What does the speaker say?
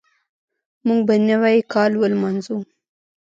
موږ به نوی کال ولمانځو.